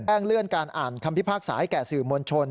เลื่อนการอ่านคำพิพากษาให้แก่สื่อมวลชน